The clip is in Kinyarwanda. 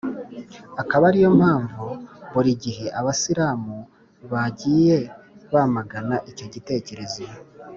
akaba ari yo mpamvu “buri gihe abisilamu bagiye bamagana icyo gitekerezo